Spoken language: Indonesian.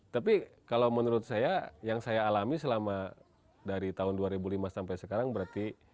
tapi kalau menurut saya yang saya alami selama dari tahun dua ribu lima sampai sekarang berarti